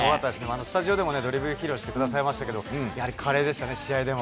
スタジオでもドリブル披露してくださいましたけど、やはり華麗でしたね、試合でも。